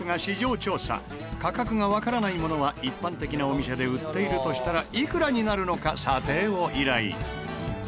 価格がわからないものは一般的なお店で売っているとしたらいくらになるのか査定を依頼。